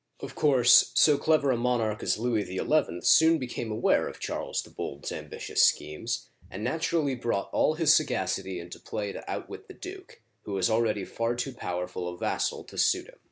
Of course, so clever a monarch as Louis XL soon be came aware of Charles the Bold's ambitious schemes, and naturally brought all his sagacity into play to outwit the duke, who was already far too powerful a vassal to suit him.